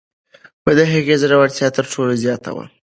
د هغې زړورتیا تر ټولو زیاته وه.